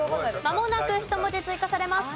まもなく１文字追加されます。